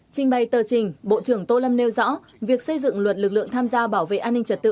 trình bày tờ trình bộ trưởng tô lâm nêu rõ việc xây dựng luật lực lượng tham gia bảo vệ an ninh trật tự